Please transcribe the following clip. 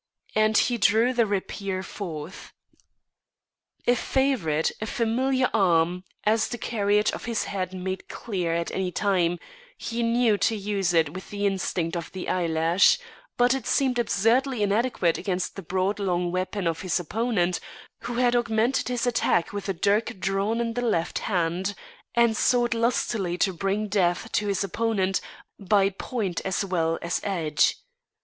And he drew the rapier forth. A favourite, a familiar arm, as the carriage of his head made clear at any time, he knew to use it with the instinct of the eyelash, but it seemed absurdly inadequate against the broad long weapon of his opponent, who had augmented his attack with a dirk drawn in the left hand, and sought lustily to bring death to his opponent by point as well as edge.